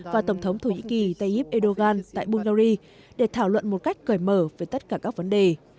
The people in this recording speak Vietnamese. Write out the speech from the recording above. và tổng thống thổ nhĩ kỳ tayyip erdogan tại bungary để thảo luận một cách cởi mở về tất cả các vấn đề